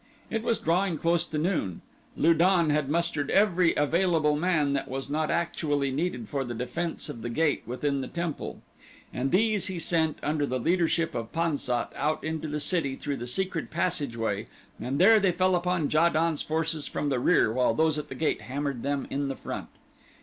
It was drawing close to noon. Lu don had mustered every available man that was not actually needed for the defense of the gate within the temple, and these he sent, under the leadership of Pan sat, out into the city through the secret passageway and there they fell upon Ja don's forces from the rear while those at the gate hammered them in front.